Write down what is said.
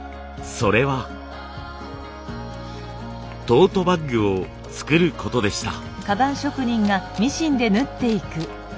トートバッグを作ることでした。